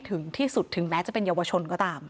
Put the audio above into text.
ถึงที่สุดถึงแม้จะเป็นเยาวชนก็ตาม